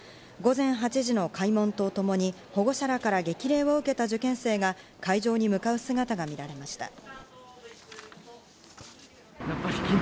午前８時の開門とともに保護者らから激励を受けた受験生が会場に向かう姿が見られました。